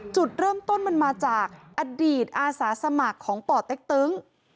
จุดเริ่มต้นมันมาจากอดีตอาสาสมัครของป่อเต็กตึ้ง